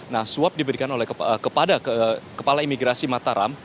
nah suap diberikan kepada kepala imigrasi mataram